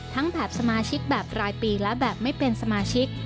แบบสมาชิกแบบรายปีและแบบไม่เป็นสมาชิก